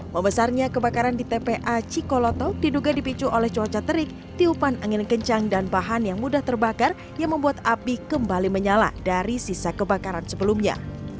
membesarnya kebakaran di tpa cikolotok diduga dipicu oleh cuaca terik tiupan angin kencang dan bahan yang mudah terbakar yang membuat api kembali menyala dari sisa kebakaran sebelumnya